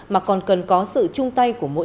mà còn cần có sự chung tay của mỗi